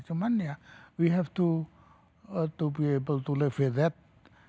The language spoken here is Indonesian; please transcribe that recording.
cuman ya kita harus bisa hidup dengan itu